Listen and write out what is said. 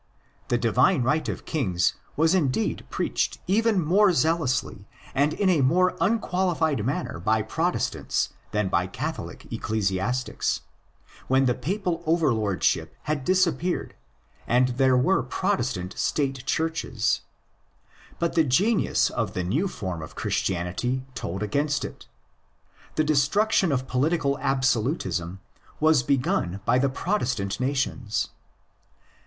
The divine right of kings was indeed preached even more zealously and in a more THE LATER HISTORY OF PAULINISM 57 unqualified manner by Protestant than by Catholic ecclesiastics, when the papal overlordship had dis appeared and there were Protestant State Churches ; but the gemius of the new form of Christianity told againstit. The destruction of political absolutism was begun by the Protestant nations.